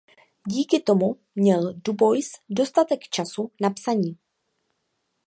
Díky tomu měl Dubois dostatek času na psaní.